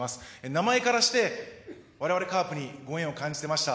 名前からして、我々カープにご縁を感じていました。